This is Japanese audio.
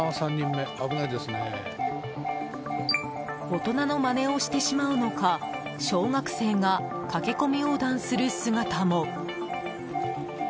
大人のまねをしてしまうのか小学生が駆け込み横断する姿も。